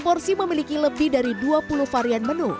porsi memiliki lebih dari dua puluh varian menu